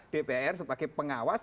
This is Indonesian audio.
dpr sebagai pengawas